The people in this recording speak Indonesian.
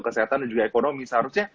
kesehatan dan juga ekonomi seharusnya